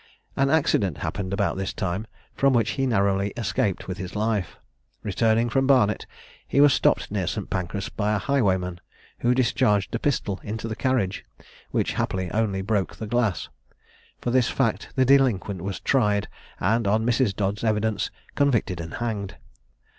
An accident happened about this time, from which he narrowly escaped with his life. Returning from Barnet, he was stopped near St. Pancras by a highwayman, who discharged a pistol into the carriage, which, happily, only broke the glass. For this fact the delinquent was tried, and, on Mrs. Dodd's evidence, convicted and hanged.